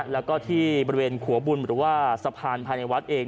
แล้วก็ที่บริเวณขัวบุญหรือว่าสะพานภายในวัดเอง